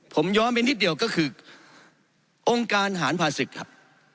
ผมย้อนไปนิดเดียวก็คือองค์การหารภาษีครับ